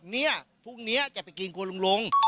เนี่ยพรุ่งนี้จะไปกินครัวลุงลง